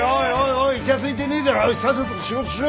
おいイチャついてねえでさっさと仕事しろ！